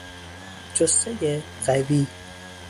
جثهی قوی